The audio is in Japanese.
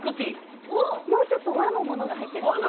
もうちょっと和のものが入ってます